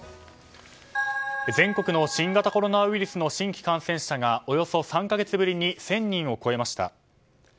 全国の新型コロナウイルスの新規感染者がおよそ３か月ぶりに１０００人を超えました。